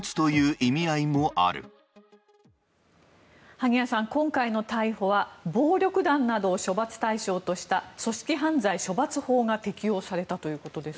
萩谷さん、今回の逮捕は暴力団などを処罰対象とした組織犯罪処罰法が適用されたということです。